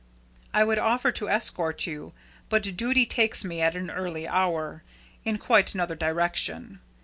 I would offer to escort you, but duty takes me, at an early hour, in quite another direction.